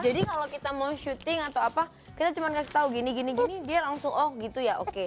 jadi kalau kita mau shooting atau apa kita cuma kasih tau gini gini dia langsung oh gitu ya oke